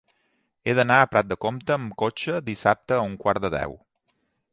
He d'anar a Prat de Comte amb cotxe dissabte a un quart de deu.